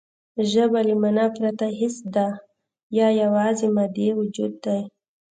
ژبه له مانا پرته هېڅ ده یا یواځې مادي وجود دی